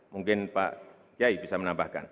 mungkin pak kiai bisa menambahkan